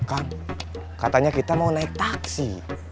kan katanya kita mau naik taksi